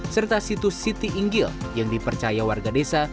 serta situs siti inggil yang dipercaya warga desa